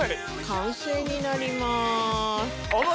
完成になります。